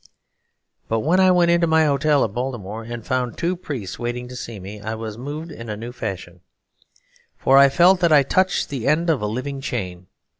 But when I went into my hotel at Baltimore and found two priests waiting to see me, I was moved in a new fashion, for I felt that I touched the end of a living chain.